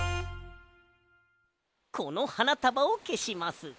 このはなたばをけします。